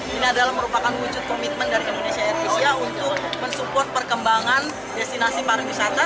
ini adalah merupakan wujud komitmen dari indonesia air asia untuk mensupport perkembangan destinasi pariwisata